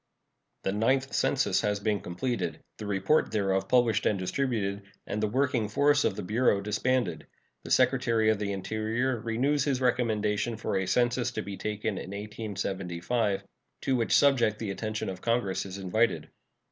The Ninth Census has been completed, the report thereof published and distributed, and the working force of the Bureau disbanded. The Secretary of the Interior renews his recommendation for a census to be taken in 1875, to which subject the attention of Congress is invited.